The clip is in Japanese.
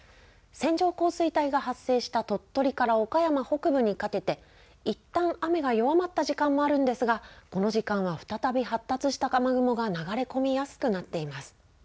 線状降水帯が発生した鳥取から岡山北部にかけて、いったん雨が弱まった時間もあるんですが、この時間は、再び発達した雨雲が流れ込みやすくなっています。